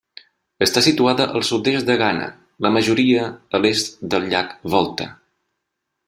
Està situada al sud-est de Ghana, la majoria a l'est del llac Volta.